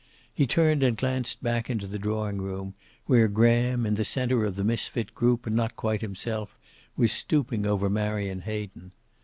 He turned and glanced back into the drawing room, where Graham, in the center of that misfit group and not quite himself, was stooping over Marion Hayden.